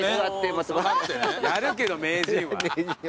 やるけど名人は。